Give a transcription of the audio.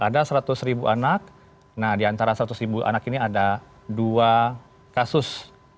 ada seratus ribu anak nah di antara seratus anak ini ada dua kasus